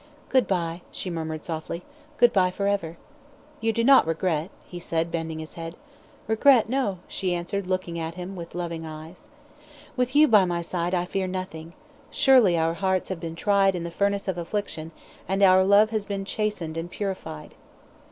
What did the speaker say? "Good bye," she murmured, softly. "Good bye for ever." "You do not regret?" he said, bending his head. "Regret, no," she answered, looking at him with loving eyes. "With you by my side, I fear nothing. Surely our hearts have been tried in the furnace of affliction, and our love has been chastened and purified."